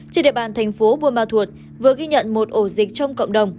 trên địa bàn tp buôn ma thuật vừa ghi nhận một ổ dịch trong cộng đồng